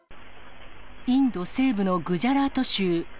インド西部のグジャラート州。